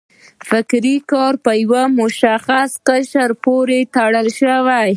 فکري کار په یو مشخص قشر پورې وتړل شو.